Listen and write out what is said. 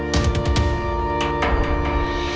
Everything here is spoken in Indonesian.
gori aku bu